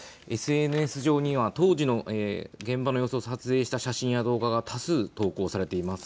ＳＮＳ上には当時の現場の様子を撮影した写真や動画が多数、投稿されています。